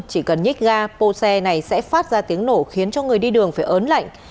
chỉ cần nhích ga pô xe này sẽ phát ra tiếng nổ khiến cho người đi đường phải ớn lạnh